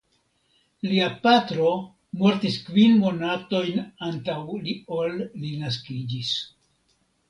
Lia patro mortis kvin monatojn antaŭ ol li naskiĝis.